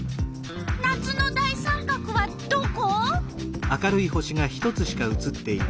夏の大三角はどこ？